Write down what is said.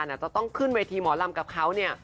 อาจจะต้องขึ้นเวทีหมอลำกับเขาเนี่ย